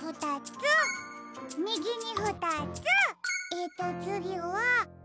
えっとつぎは。